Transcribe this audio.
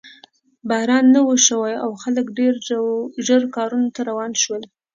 باران نه و شوی او خلک ډېر ژر کورونو ته روان شول.